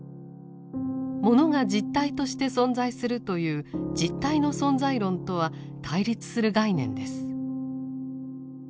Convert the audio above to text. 物が実体として存在するという「実体の存在論」とは対立する概念です。